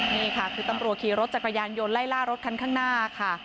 นี่ค่ะคือตำรวจขี่รถจักรยานยนต์ไล่ล่ารถคันข้างหน้าค่ะ